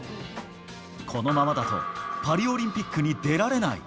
このままだとパリオリンピックに出られない。